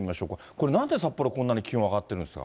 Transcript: これ、なんで札幌、こんなに気温上がってるんですか。